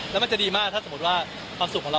แล้วมันจะดีมากถ้าสมมุติว่าความสุขของเรา